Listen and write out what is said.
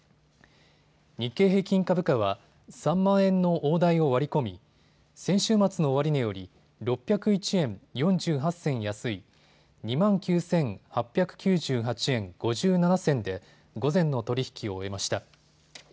日経平均株価は３万円の大台を割り込み、先週末の終値より６０１円４８銭安い２万９８９８円５７銭で午前の取り引きを終えました。